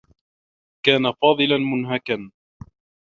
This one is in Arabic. كان فاضل منهكا.